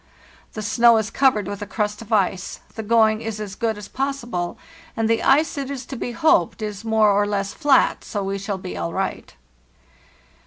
The snow is covered with a crust of ice, the going is as good as possible, and the ice, it is to be hoped, is more or less flat, so we shall be all right.